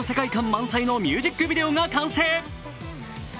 満載のミュージックビデオが完成。